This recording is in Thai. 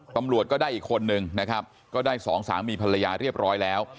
ตำรวจก็ได้อีกคนนึงนะครับก็ได้สองสามีภรรยาเรียบร้อยแล้ว